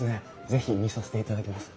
是非見させていただきます。